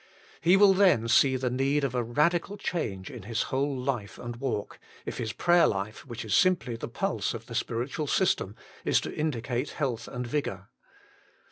He will then see the need of a radical change in his whole life and walk, if his prayer life, which is simply the pulse of the spiritual system, is to indicate health and .vigour.